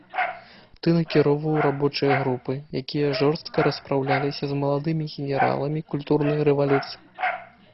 Ты накіроўваў рабочыя групы, якія жорстка распраўляліся з маладымі генераламі культурнай рэвалюцыі!